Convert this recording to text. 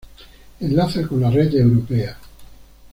Enlaza con la red europea.